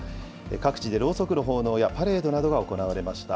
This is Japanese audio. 各地でろうそくの奉納やパレードなどが行われました。